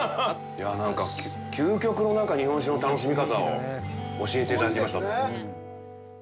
いやぁ、何か、究極の日本酒の楽しみ方を教えていただきました。